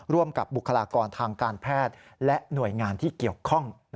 กับบุคลากรทางการแพทย์และหน่วยงานที่เกี่ยวข้อง